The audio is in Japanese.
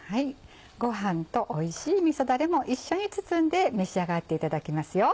ご飯とおいしいみそだれも一緒に包んで召し上がっていただきますよ。